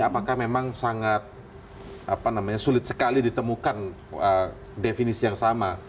apakah memang sangat sulit sekali ditemukan definisi yang sama